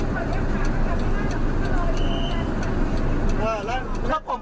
ครับผม